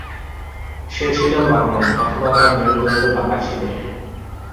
সে ছিল বামন অথবা তার মেরুদণ্ড বাঁকা ছিল।